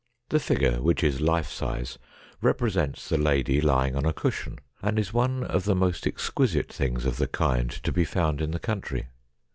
The figure, which is life size, represents the lady lying on a cushion, and is one of the most exquisite things of the kind to be found in the country.